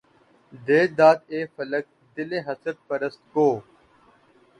دے داد اے فلک! دلِ حسرت پرست کو